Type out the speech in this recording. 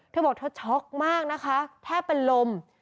เธอบอกเธอช็อกมากนะคะแทบเป็นลม